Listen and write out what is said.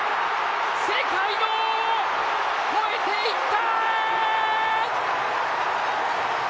世界の王を越えていった。